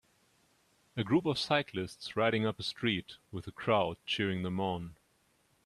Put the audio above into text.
A Group of cyclists riding up a street with a crowd cheering them on